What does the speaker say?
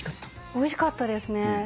おいしかったですね。